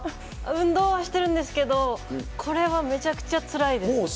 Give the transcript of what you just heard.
運動はしているんですけれども、これはめちゃくちゃつらいです。